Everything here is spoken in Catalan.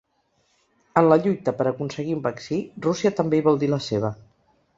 En la lluita per aconseguir un vaccí, Rússia també hi vol dir la seva.